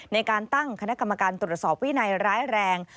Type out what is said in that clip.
ในการตั้งคณะกรรมการตรวจสอบวินัยร้ายแรง